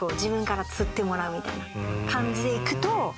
感じでいくと。